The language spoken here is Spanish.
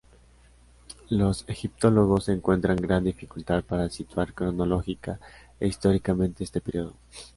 Los egiptólogos encuentran gran dificultad para situar cronológica e históricamente este periodo.